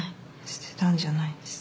捨てたんじゃないです。